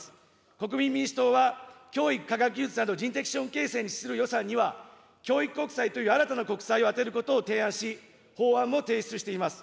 国民民主党は、教育、科学技術政策など人的資本形成に資する予算には、教育国債という新たな国債を充てることを提案し、法案も提出しています。